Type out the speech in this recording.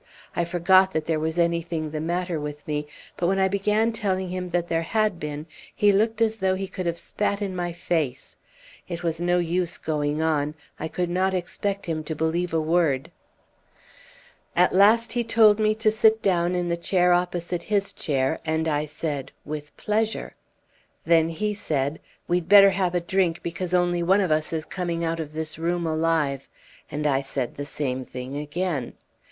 I forgot that there was anything the matter with me, but when I began telling him that there had been, he looked as though he could have spat in my face. It was no use going on. I could not expect him to believe a word. "At last he told me to sit down in the chair opposite his chair, and I said, 'With pleasure.' Then he said, 'We'd better have a drink, because only one of us is coming out of this room alive,' and I said the same thing again.